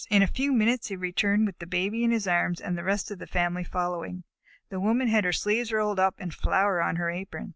In a few minutes he returned with the Baby in his arms and the rest of the family following. The Woman had her sleeves rolled up and flour on her apron.